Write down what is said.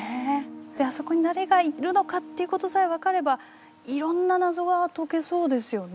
であそこに誰がいるのかっていうことさえ分かればいろんな謎が解けそうですよね。